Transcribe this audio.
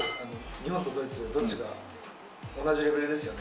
日本とドイツ、同じレベルですよね？